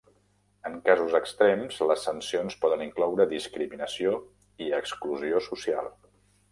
En casos extrems les sancions poden incloure discriminació i exclusió social.